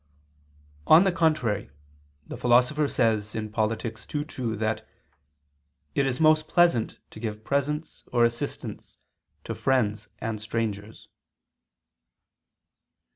On the contrary, The Philosopher says (Polit. ii, 2) that "it is most pleasant to give presents or assistance to friends and strangers."